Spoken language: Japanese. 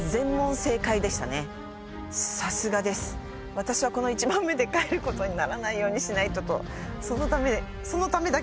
私はこの１問目で帰ることにならないようにしないととそのためそのためだけに今。